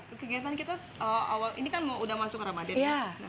kegiatan kita awal ini kan udah masuk ramadan ya